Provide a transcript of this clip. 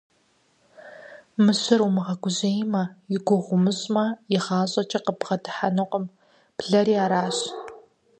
Мыщэр умыгъэгужьеймэ, и гугъу умыщӀмэ, игъащӀэкӀэ къыббгъэдыхьэнукъым, блэри аращ.